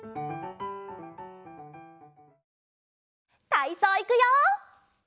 たいそういくよ！